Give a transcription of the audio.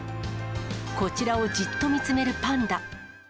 こちらをじっと見つめるパンダ。